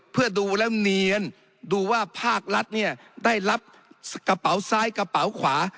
เพื่อดูแล้วเนียนดูว่าภาครัฐเนี่ยได้รับกระเป๋าซ้ายกระเป๋าขวา